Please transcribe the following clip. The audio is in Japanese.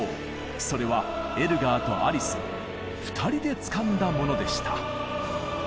それはエルガーとアリス２人でつかんだものでした。